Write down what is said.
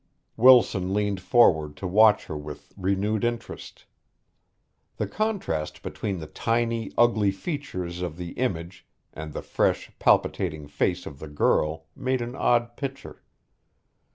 Wilson leaned forward to watch her with renewed interest. The contrast between the tiny, ugly features of the image and the fresh, palpitating face of the girl made an odd picture.